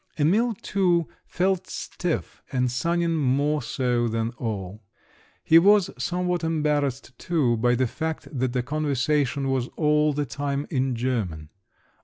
Emil, too, felt stiff, and Sanin more so than all. He was somewhat embarrassed too by the fact that the conversation was all the time in German.